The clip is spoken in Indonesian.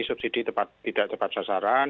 subsidi tidak tepat sasaran